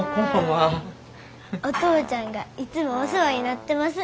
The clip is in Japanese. お父ちゃんがいつもお世話になってます。